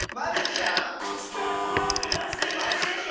くちからトランプだしてませんよ。